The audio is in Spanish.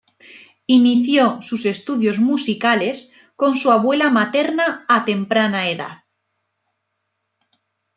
Inició sus estudios musicales con su abuela materna a temprana edad.